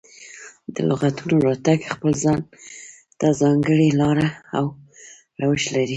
د لغتونو راتګ خپل ځان ته ځانګړې لاره او روش لري.